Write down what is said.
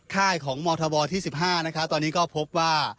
ค่ายของมธบที่๑๕นะครับตอนนี้ก็พบว่า